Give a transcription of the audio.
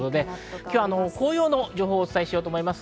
今日は紅葉の情報をお伝えします。